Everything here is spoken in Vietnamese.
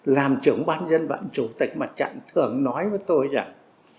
làm trưởng ban dân vận chủ tịch mà chẳng thường nói với tôi rằng